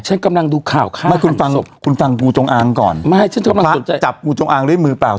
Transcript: ฉันกำลังดูข่าวข้าหันศพคุณฟังกูจงอังก่อนจับกูจงอังด้วยมือเปล่า